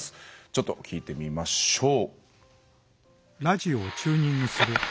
ちょっと聴いてみましょう。